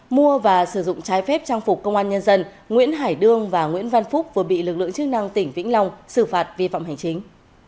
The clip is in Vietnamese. mua và sử dụng trái phép trang phục công an nhân dân nguyễn hải đương và nguyễn văn phúc vừa bị lực lượng chức năng tỉnh vĩnh long xử phạt vi phạm hành chính